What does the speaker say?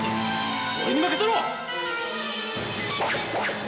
俺に任せろ！